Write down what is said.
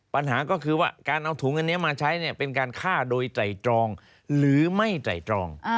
ปัญหาก็คือว่าการเอาถุงอันนี้มาใช้เนี่ยเป็นการฆ่าโดยไตรตรองหรือไม่ไตรตรอง